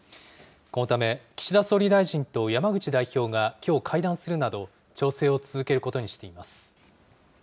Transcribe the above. このため、岸田総理大臣と山口代表がきょう会談をするなど、調整を続けることにしています。